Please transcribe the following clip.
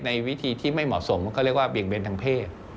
ในวิธีที่ไม่เหมาะสมเขาเรียกว่าเบี่ยงเบนทางเพศ